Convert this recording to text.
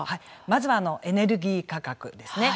まずはエネルギー価格ですね。